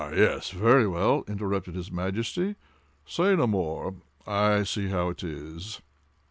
—yes!—very well!" interrupted his Majesty; "say no more—I see how it is."